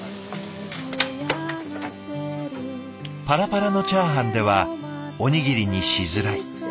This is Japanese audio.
パラパラのチャーハンではおにぎりにしづらい。